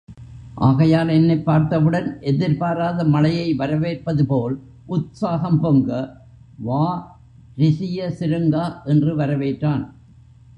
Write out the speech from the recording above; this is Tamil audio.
ஆகையால் என்னைப் பார்த்தவுடன் எதிர்பாராத மழையை வரவேற்பதுபோல், உத்ஸாகம் பொங்க வா ரிசியசிருங்கா! என்று வரவேற்றான்.